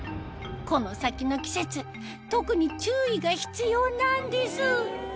この先の季節特に注意が必要なんです